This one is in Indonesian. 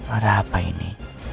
ada apa ini